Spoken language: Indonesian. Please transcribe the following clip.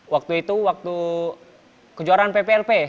waktu itu waktu kejuaraan pplp